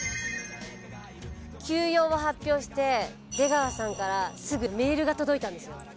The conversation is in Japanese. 休養を発表して出川さんからすぐメールが届いたんですよ。